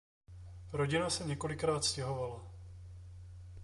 Rodina se několikrát stěhovala.